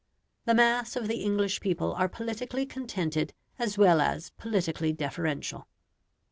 The mass of the English people are politically contented as well as politically deferential.